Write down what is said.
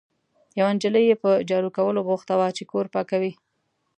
یوه نجلۍ یې په جارو کولو بوخته وه، چې کور پاکوي.